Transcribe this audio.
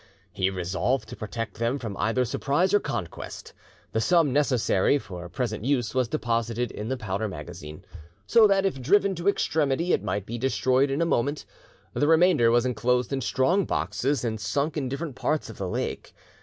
He resolved to protect them from either surprise or conquest. The sum necessary for present use was deposited in the powder magazine, so that, if driven to extremity, it might be destroyed in a moment; the remainder was enclosed in strong boxes, and sunk in different parts of the lake.